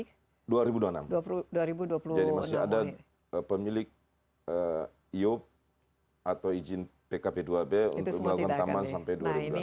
jadi masih ada pemilik iop atau izin pkp dua b untuk melakukan tambahan sampai dua ribu dua puluh enam